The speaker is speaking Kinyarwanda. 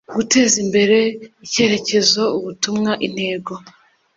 Guteza imbere icyerekezo ubutumwa intego